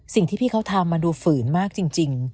สิ่งที่พี่เขาทำมันดูฝืนมากจริง